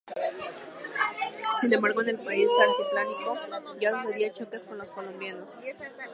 Sin embargo, en el país altiplánico ya sucedían choques con los colombianos.